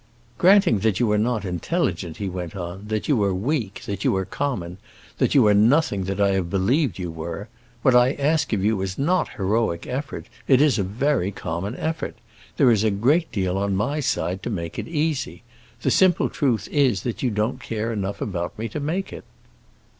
"Granting that you are not intelligent," he went on, "that you are weak, that you are common, that you are nothing that I have believed you were—what I ask of you is not heroic effort, it is a very common effort. There is a great deal on my side to make it easy. The simple truth is that you don't care enough about me to make it."